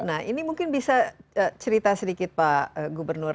nah ini mungkin bisa cerita sedikit pak gubernur